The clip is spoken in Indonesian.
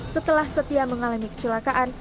setelah setia mengalami kecelakaan